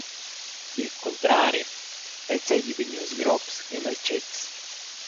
Il cuntrari –el seigi vegnius grobs e maltschecs.